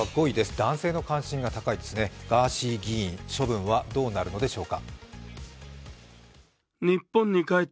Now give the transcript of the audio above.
男性の関心が高いですね、ガーシー議員、処分はどうなるのでしょうか。